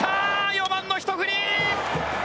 ４番の一振り！